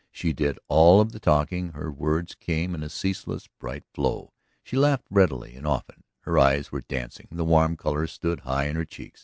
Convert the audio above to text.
She did all of the talking, her words came in a ceaseless bright flow, she laughed readily and often, her eyes were dancing, the warm color stood high in her cheeks.